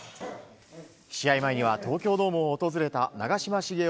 試合前には東京ドームを訪れた長嶋茂雄